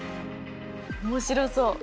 面白そう。